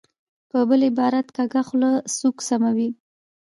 په بل عبارت، کږه خوله سوک سموي.